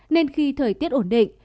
nên khi thời tiết ổn định